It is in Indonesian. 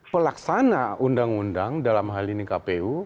pelaksana undang undang dalam hal ini kpu